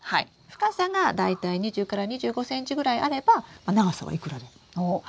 深さが大体２０２５ｃｍぐらいあれば長さはいくらでも。おっ。